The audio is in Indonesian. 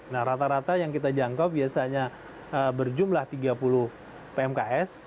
nah rata rata yang kita jangkau biasanya berjumlah tiga puluh pmks